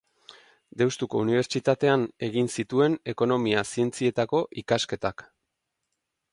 Deustuko Unibertsitatean egin zituen ekonomia-zientzietako ikasketak.